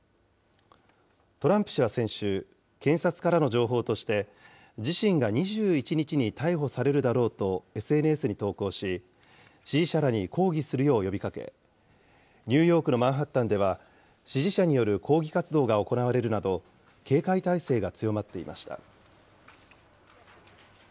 トランプ氏は先週、検察からの情報として、自身が２１日に逮捕されるだろうとＳＮＳに投稿し、支持者らに抗議するよう呼びかけ、ニューヨークのマンハッタンでは支持者による抗議活動が行われるなど、警戒態勢が強まっていました。